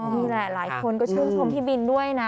นี่แหละหลายคนก็ชื่นชมพี่บินด้วยนะ